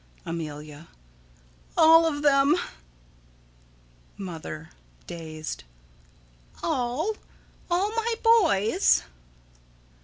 Amelia: All of them. Mother: [Dazed.] All? All my boys?